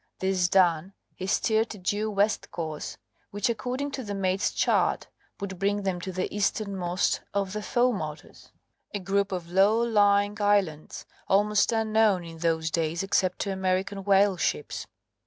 This done he steered a due west course, which according to the mate's chart would bring them to the easternmost of the Faumotus a group of low lying islands almost unknown in those days except to American whale ships.